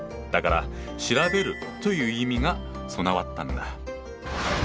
だから「調べる」という意味が備わったんだ。